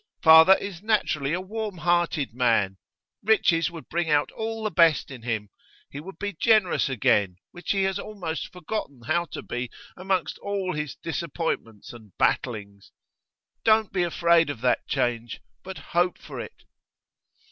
Father is naturally a warm hearted man; riches would bring out all the best in him. He would be generous again, which he has almost forgotten how to be among all his disappointments and battlings. Don't be afraid of that change, but hope for it.